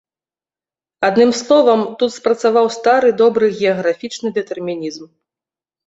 Адным словам, тут спрацаваў стары добры геаграфічны дэтэрмінізм.